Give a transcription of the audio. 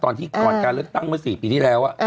ก่อนที่ก่อนการเลือกตั้งเมื่อ๔ปีที่แล้ว